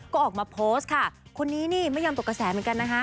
ก็ออกมาโพสต์ค่ะคนนี้นี่ไม่ยอมตกกระแสเหมือนกันนะคะ